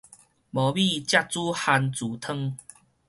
無米才煮番薯湯